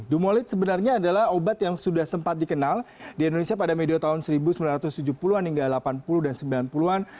dumolit sebenarnya adalah obat yang sudah sempat dikenal di indonesia pada media tahun seribu sembilan ratus tujuh puluh an hingga delapan puluh dan sembilan puluh an